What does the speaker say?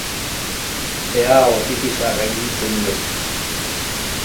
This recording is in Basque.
Ea otitisa gainditzen duen!